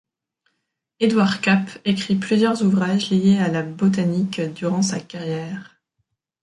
Edouard Kapp écrit plusieurs ouvrages liées à la botanique durant sa carrière.